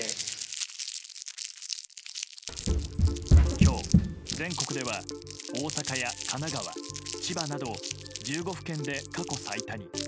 今日、全国では大阪や神奈川、千葉など１５府県で過去最多に。